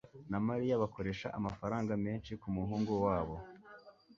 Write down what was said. na Mariya bakoresha amafaranga menshi kumuhungu wabo.